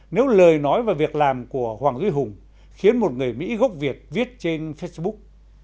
nếu lời nói và việc làm của hoàng duy hùng khiến một người mỹ gốc việt viết trên facebook